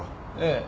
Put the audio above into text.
ええ。